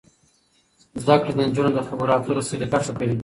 زده کړه د نجونو د خبرو اترو سلیقه ښه کوي.